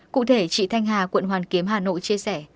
cụ thể chị thanh hà quận hoàn kiếm hà nội chia sẻ